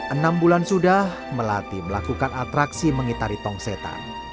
enam bulan sudah melati melakukan atraksi mengitari tong setan